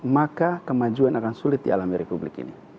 maka kemajuan akan sulit di alam republik ini